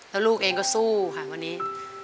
แล้วลูกเองก็สู้ค่ะวันนี้